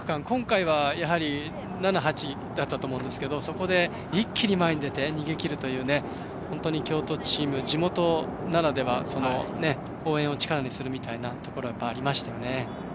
今回は、やはり７、８だったと思うんですけどそこで一気に前に出て逃げきるという本当に京都チーム地元ならでは応援を力にするみたいなところがありましたよね。